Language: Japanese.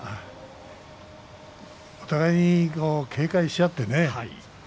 お互いに警戒し合ってね。